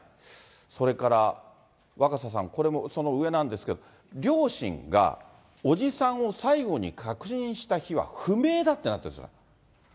それから若狭さん、これもその上なんですけれども、両親が伯父さんを最後に確認した日は不明だってなってるんですが。